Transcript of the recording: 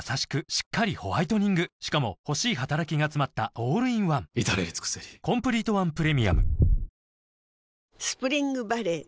しっかりホワイトニングしかも欲しい働きがつまったオールインワン至れり尽せりスプリングバレー